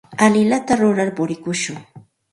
Allinllata rurar purikushun.